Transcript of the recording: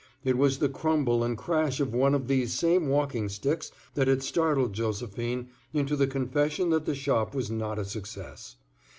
It was the crumble and crash of one of these same walking sticks that had startled Josephine into the confession that the shop was not a success.